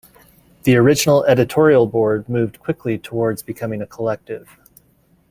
The original 'editorial board' moved quickly towards becoming a collective.